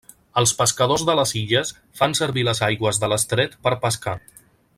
Els pescadors de les illes fan servir les aigües de l'estret per pescar.